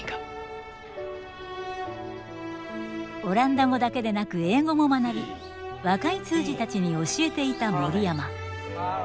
オランダ語だけでなく英語も学び若い通詞たちに教えていた森山。